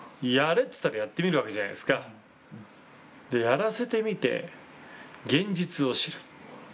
やれって言ったらやってみるじゃないですか、やらせてみて、現実を知る。